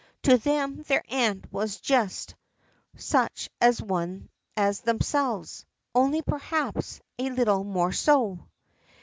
To them their aunt was just such an one as themselves only, perhaps, a little more so.